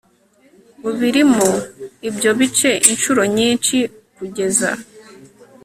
ubiramo ibyo bice inshuro nyinshi kugeza